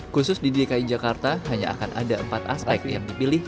khusus di dki jakarta hanya akan ada empat aspek yang dipilih